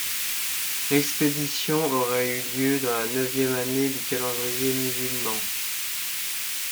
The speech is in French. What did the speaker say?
L'expédition aurait eu lieu dans la neuvième année du calendrier musulman.